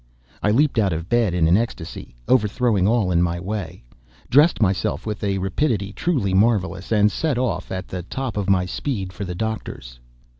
I leaped out of bed in an ecstacy, overthrowing all in my way; dressed myself with a rapidity truly marvellous; and set off, at the top of my speed, for the doctor's.